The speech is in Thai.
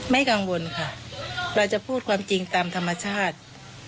กังวลค่ะเราจะพูดความจริงตามธรรมชาติ